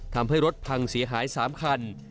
ทำให้รถพังเสียหาย๓คัน